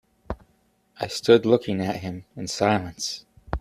I stood looking at him in silence.